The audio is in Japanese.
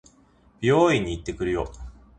美容院に行ってくるよ。